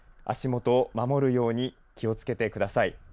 足元を守るように気をつけてください。